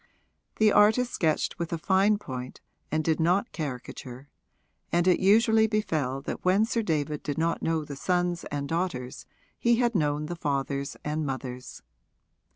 The artist sketched with a fine point and did not caricature, and it usually befell that when Sir David did not know the sons and daughters he had known the fathers and mothers.